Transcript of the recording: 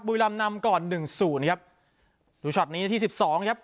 บุรีรำนำก่อนหนึ่งศูนย์ครับดูช็อตนี้นาทีที่สิบสองครับ